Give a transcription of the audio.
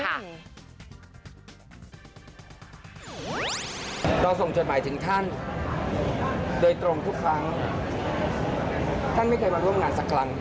เราส่งจดหมายถึงท่านโดยตรงทุกครั้งท่านไม่เคยมาร่วมงานสักครั้ง